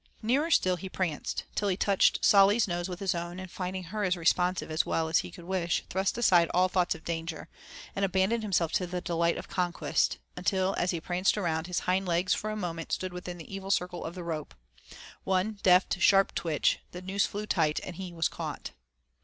Nearer still he pranced, till he touched Solly's nose with his own, and finding her as responsive as he well could wish, thrust aside all thoughts of danger, and abandoned himself to the delight of conquest, until, as he pranced around, his hind legs for a moment stood within the evil circle of the rope. One deft sharp twitch, the noose flew tight, and he was caught.